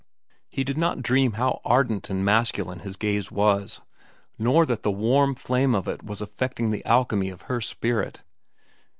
He did not dream how ardent and masculine his gaze was, nor that the warm flame of it was affecting the alchemy of her spirit.